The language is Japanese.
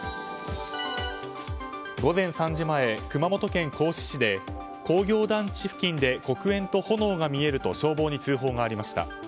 午前３時前、熊本県合志市で工業団地付近で黒煙と炎が見えると消防に通報がありました。